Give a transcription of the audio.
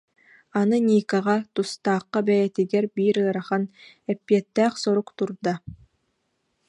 Аны Никаҕа, тустаахха бэйэтигэр биир ыарахан, эппиэттээх сорук турда